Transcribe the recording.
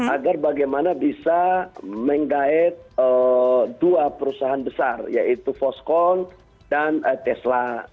agar bagaimana bisa menggait dua perusahaan besar yaitu foskon dan tesla